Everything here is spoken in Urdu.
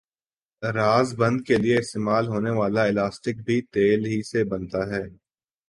زار بند کیلئے استعمال ہونے والا الاسٹک بھی تیل ہی سے بنتا ھے